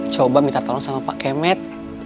coba minta tolong sama pak kemet